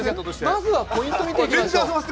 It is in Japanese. まずはポイントを見ていただきましょう。